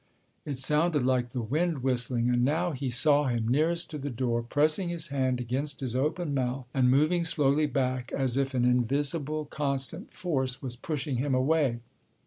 "—it sounded like the wind whistling—and now he saw him, nearest to the door, pressing his hand against his open mouth and moving slowly back, as if an invisible constant force was pushing him away.